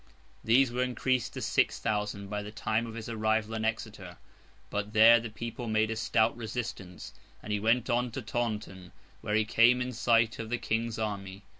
These were increased to six thousand by the time of his arrival in Exeter; but, there the people made a stout resistance, and he went on to Taunton, where he came in sight of the King's army.